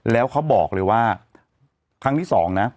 แล้วเขาบอกเลยว่าครั้งที่สองนะ